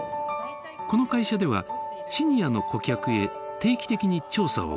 この会社ではシニアの顧客へ定期的に調査を行っています。